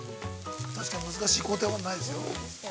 ◆確かに難しい工程はないですよ。